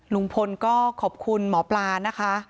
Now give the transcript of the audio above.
ลุงพลก็ขอบคุณหมอปลานะคะ